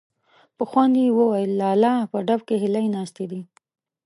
په خوند يې وويل: لالا! په ډب کې هيلۍ ناستې دي.